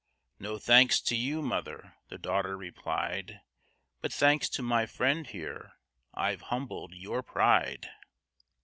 "No thanks to you, mother," the daughter replied: "But thanks to my friend here, I've humbled your pride."